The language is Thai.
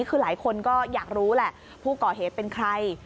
คือหลายคนก็อยากรู้แหละผู้ก่อเหตุเป็นใคร